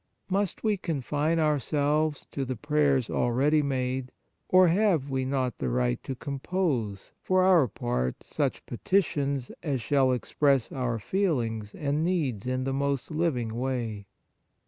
Must we confine ourselves to the prayers already made, or have we not the right to compose, for our part, such petitions as shall express our feelings and needs in the most living way